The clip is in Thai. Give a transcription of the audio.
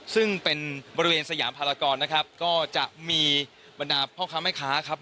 ซึ่งเป็นบริเวณสยามภารกรนะครับก็จะมีบรรดาพ่อค้าแม่ค้าครับ